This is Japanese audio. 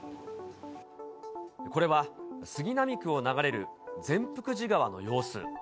これは、杉並区を流れる善福寺川の様子。